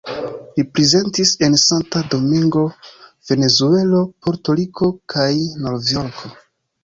Li prezentis en Sankta Domingo, Venezuelo, Porto-Riko kaj Novjorko.